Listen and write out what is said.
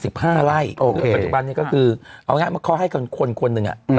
ปัจจุบันนี้ก็คือเอางั้นเค้าให้คนนึงอ่ะ